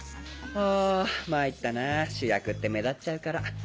あぁ参ったな主役って目立っちゃうから。